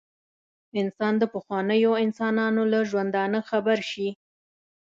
انسان د پخوانیو انسانانو له ژوندانه خبر شي.